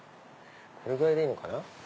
このぐらいでいいのかな。